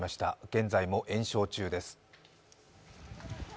現在も延焼中です。